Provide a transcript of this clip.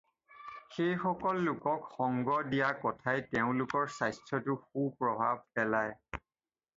এইসকল লোকক সংগ দিয়া কথাই তেওঁলোকৰ স্বাস্থ্যতো সুপ্ৰভাৱ পেলায়।